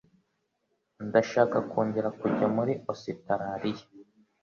Ndashaka kongera kujya muri Ositaraliya